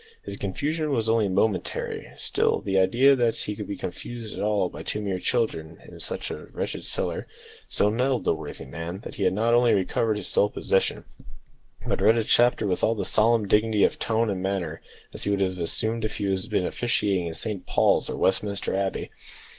His confusion was only momentary; still the idea that he could be confused at all by two mere children in such a wretched cellar so nettled the worthy man, that he not only recovered his self possession, but read a chapter with all the solemn dignity of tone and manner that he would have assumed had he been officiating in Saint Paul's or Westminster Abbey.